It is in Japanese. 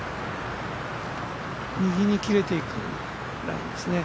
右に切れていくラインですね。